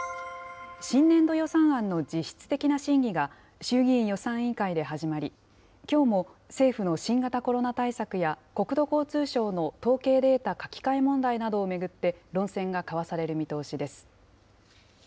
新年度予算案の実質的な審議が、衆議院予算委員会で始まり、きょうも政府の新型コロナ対策や国土交通省の統計データ書き換え問題などを巡って、論戦が交わされる見通しです。